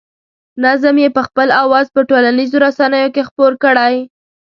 نظم یې په خپل اواز په ټولنیزو رسنیو کې خپور کړی.